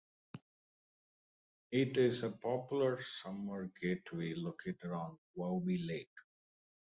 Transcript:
It is a popular summer getaway located on Waubee lake.